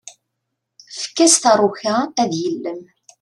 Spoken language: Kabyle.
Efk-as taruka ad yellem.